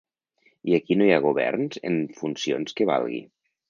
I aquí no hi ha governs en funcions que valgui.